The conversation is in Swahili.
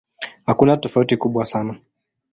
Hakuna tofauti kubwa sana.